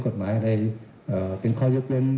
กฎหมายอะไรเป็นข้อยกเว้น